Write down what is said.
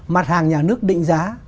mặt hàng nhà nước định giá